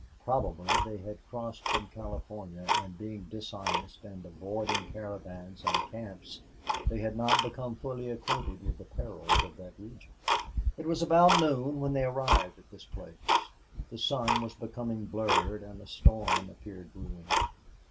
Probably they had crossed from California, and, being dishonest and avoiding caravans and camps, they had not become fully acquainted with the perils of that region. It was about noon when they arrived at this place. The sun was becoming blurred and a storm appeared brewing.